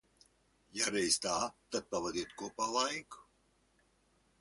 Ja reiz tā, tad pavadiet kopā laiku.